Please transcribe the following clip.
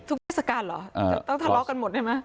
ทุกเทศกาลเหรอต้องทะเลาะกันหมดใช่ไหม